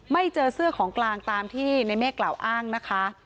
เจอเสื้อของกลางตามที่ในเมฆกล่าวอ้างนะคะ